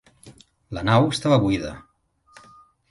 La nau estava buida.